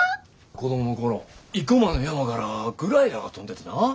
子供の頃生駒の山からグライダーが飛んでてな。